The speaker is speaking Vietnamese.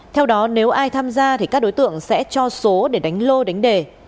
theo đó nếu ai tham gia thì các đối tượng sẽ cho số để đánh lô đánh đề